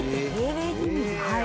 はい。